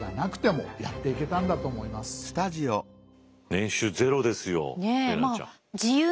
年収０ですよ怜奈ちゃん。